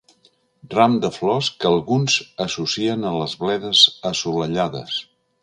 Ram de flors que alguns associen a les bledes assolellades.